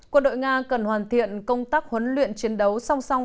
quân đội nga cần hoàn thiện công tác huấn luyện chiến đấu song song